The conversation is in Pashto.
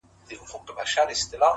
نو ما به یې د نورو هنرمندانو په څېر